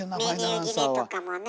メニュー決めとかもね。